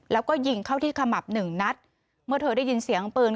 แล้วก็ยิงเข้าที่ขมับหนึ่งนัดเมื่อเธอได้ยินเสียงปืน